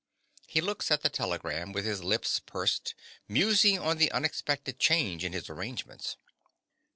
(_He looks at the telegram with his lips pursed, musing on the unexpected change in his arrangements.